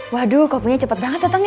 waduh kopinya cepet banget datang ya